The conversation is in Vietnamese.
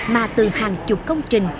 mà từ hàng chục công trình